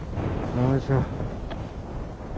よいしょ。